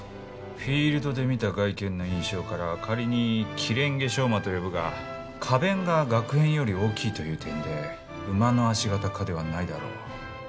フィールドで見た外見の印象から仮にキレンゲショウマと呼ぶが花弁ががく片より大きいという点で毛科ではないだろう。